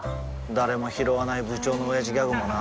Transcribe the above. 誰もひろわない部長のオヤジギャグもな